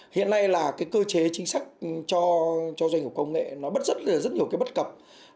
hiện nay là cái cơ chế chính sách cho doanh nghiệp công nghệ nó bất rất nhiều cái bất cập